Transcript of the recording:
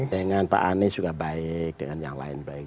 dengan pak anies juga baik dengan yang lain baik